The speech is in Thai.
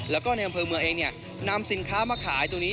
แล้วก็ในอำเภอเมืองเองนำสินค้ามาขายตรงนี้